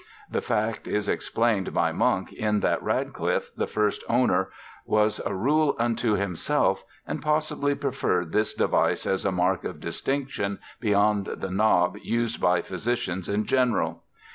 The fact is explained by Munk, in that Radcliffe, the first owner, was a rule unto himself and possibly preferred this device as a mark of distinction beyond the knob used by physicians in general.